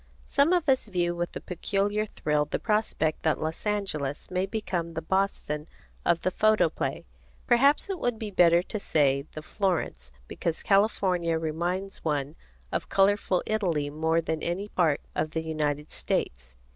Some of us view with a peculiar thrill the prospect that Los Angeles may become the Boston of the photoplay. Perhaps it would be better to say the Florence, because California reminds one of colorful Italy more than of any part of the United States.